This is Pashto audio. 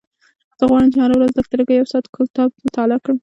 زه غواړم هره ورځ لږترلږه یو ساعت کتاب مطالعه کړم.